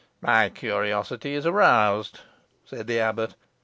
"My curiosity is aroused," said the abbot.